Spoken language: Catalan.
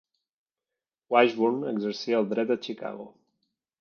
Washburne exercia el dret a Chicago.